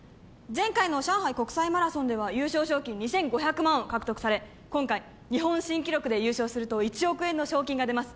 前回の上海国際マラソンでは優勝賞金２５００万を獲得され今回日本新記録で優勝すると１億円の賞金が出ます